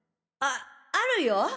ああるよ。